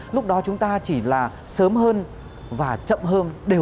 lúc đó chúng ta chỉ là sớm hơn và chậm hơn